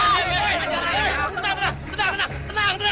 tidak tidak tidak